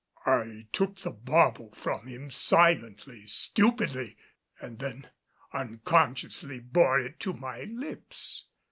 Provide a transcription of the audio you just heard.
I took the bauble from him silently, stupidly, and then unconsciously bore it to my lips.